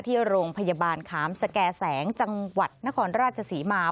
ที่โรงพยาบาลขามสแก่แสงจังหวัดนครราชศรีมา